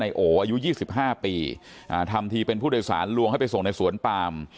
นายโออายุยี่สิบห้าปีอ่าทำทีเป็นผู้โดยสารลวงให้ไปส่งในสวนปาล์ม